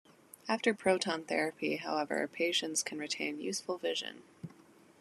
After proton therapy, however, patients can retain useful vision.